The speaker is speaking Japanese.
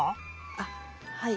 あっはい。